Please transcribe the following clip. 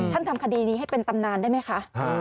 ทำคดีนี้ให้เป็นตำนานได้ไหมคะ